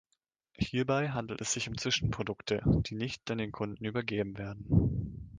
Hierbei handelt es sich um Zwischenprodukte, die nicht an den Kunden übergeben werden.